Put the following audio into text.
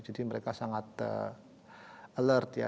jadi mereka sangat alert ya